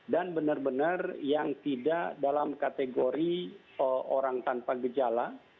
dan benar benar yang tidak dalam kategori orang tanpa gejala